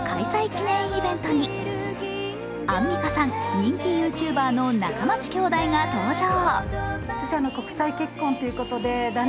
記念イベントにアンミカさん、人気ＹｏｕＴｕｂｅｒの中町兄妹が登場。